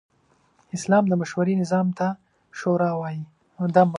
اسلام د مشورې نظام ته “شورا” وايي.